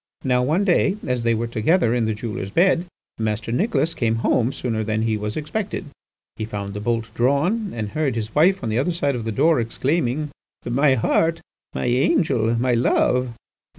"Now one day, as they were together in the jeweller's bed, Master Nicholas came home sooner than he was expected. He found the bolt drawn, and heard his wife on the other side of the door exclaiming, 'My heart! my angel! my love!